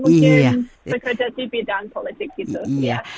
bekerja di bidang politik gitu